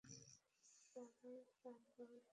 তারা তার বাবার সাথেই থাকেন।